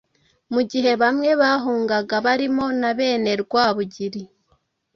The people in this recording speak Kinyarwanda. Mu gihe bamwe bahungaga barimo na bene Rwabugili,